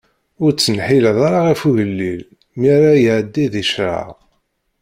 Ur d-ttneḥḥileḍ ara ɣef ugellil, mi ara iɛeddi di ccṛeɛ.